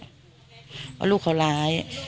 ว่าลูกเขาร้าย